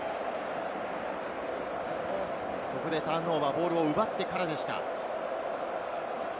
ここでターンオーバー、ボールを奪ってからでした。